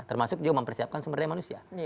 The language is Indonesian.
termasuk juga mempersiapkan sumber daya manusia